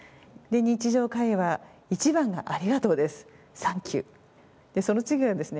日常会話１番がありがとうです。